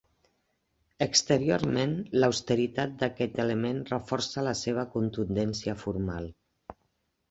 Exteriorment l'austeritat d'aquest element reforça la seva contundència formal.